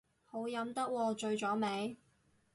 好飲得喎，醉咗未